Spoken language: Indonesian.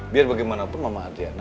biar bagaimanapun mama adriana